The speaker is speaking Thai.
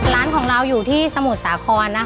ร้านของเราอยู่ที่สมุทรสาครนะคะ